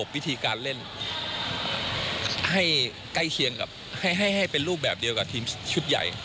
วิธีการเล่นให้ใกล้เคียงกับให้เป็นรูปแบบเดียวกับทีมชุดใหญ่